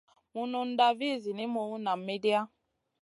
Mununda vih zinimu nam midia.